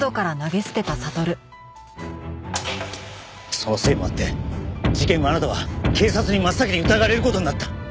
そのせいもあって事件後あなたは警察に真っ先に疑われる事になった。